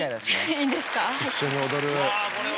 いいんですか？